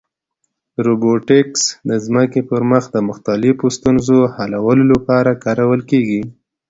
روبوټیکس د ځمکې پر مخ د مختلفو ستونزو حلولو لپاره کارول کېږي.